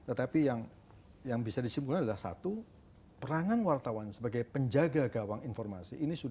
tetapi yang bisa di konklusi adalah satu perangan wartawan sebagai penjaga gawang informasi ini sudah bubar